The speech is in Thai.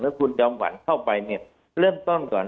แล้วคุณจำหวันเข้าไปเนี่ยเริ่มต้นก่อน